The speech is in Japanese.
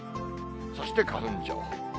そして花粉情報。